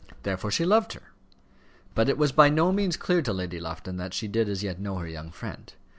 Therefore she loved her. But it was by no means clear to Lady Lufton that she did as yet know her young friend.